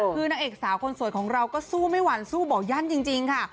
คือนางเอกสาวคนสวยของเราก็สู้ไม่หวั่นสู้บอกยั่นจริงค่ะ